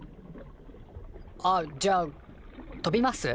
あっじゃあ飛びます？